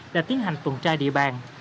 đã tiến hành tuần tra địa bàn